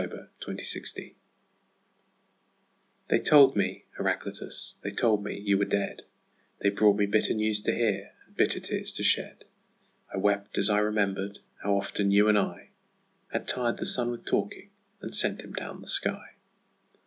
Heraclitus THEY told me, Heraclitus, they told me you were dead, They brought me bitter news to hear and bitter tears to shed. I wept as I remember'd how often you and I Had tired the sun with talking and sent him down the sky.